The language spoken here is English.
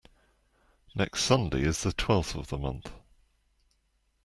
Next Sunday is the twelfth of the month.